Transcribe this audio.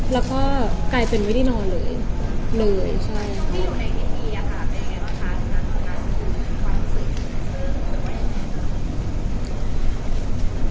รู้สึก